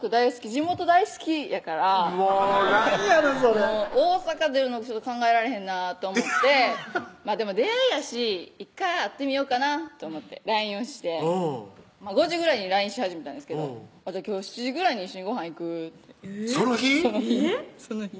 地元大好きやからもうなんやのそれ大阪出るの考えられへんなぁと思ってでも出会いやし１回会ってみようかなと思ってＬＩＮＥをして５時ぐらいにＬＩＮＥし始めたんですけど「今日７時ぐらいに一緒にごはん行く？」ってその日？